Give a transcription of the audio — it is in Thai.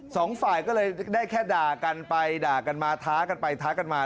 สองฝ่ายก็เลยได้แค่ด่ากันไปด่ากันมาท้ากันไปท้ากันมา